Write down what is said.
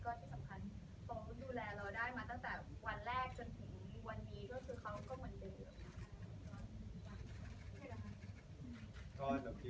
คือเค้าก็เหมือนเด็ก